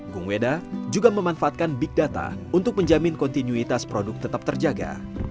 gung weda juga memanfaatkan big data untuk menjamin kontinuitas produk tetap terjaga